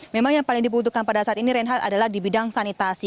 memang yang paling dibutuhkan pada saat ini reinhard adalah di bidang sanitasi